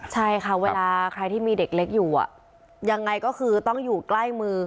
ใช่ค่ะเวลาใครที่มีเด็กเล็กอยู่ยังไงก็คือต้องอยู่ใกล้มือ